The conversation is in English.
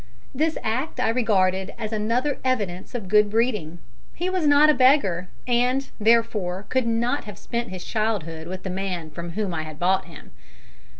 This act I regarded as another evidence of good breeding. He was not a beggar, and, therefore, could not have spent his childhood with the man from whom I had bought him.